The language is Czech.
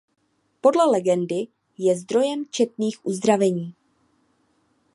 Podle legendy je zdrojem četných uzdravení.